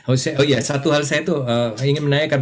oh iya satu hal saya tuh ingin menanyakan